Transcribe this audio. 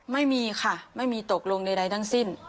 ไม่มีค่ะไม่มีตกลงใดทั้งสิ้น